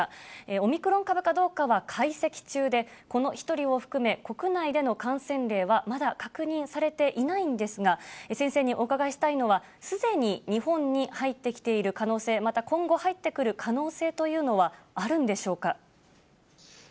オミクロン株かどうかは解析中で、この１人を含め、国内での感染例はまだ確認されていないんですが、先生にお伺いしたいのは、すでに日本に入ってきている可能性、また今後、入ってくる可能性というのはあるんでしょうか。